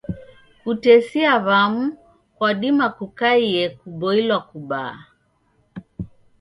Kutesia w'amu kwadima kukaie kuboilwa kubaa.